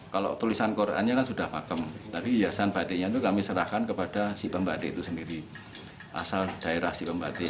kalau tulisan qurannya kan sudah pakem tapi hiasan batiknya itu kami serahkan kepada si pembatik itu sendiri asal daerah si pembatik